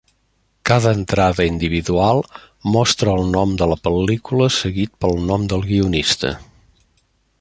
Cada entrada individual mostra el nom de la pel·lícula seguit pel nom del guionista.